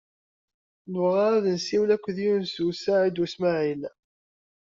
Nebɣa ad nessiwel akked Yunes u Saɛid u Smaɛil.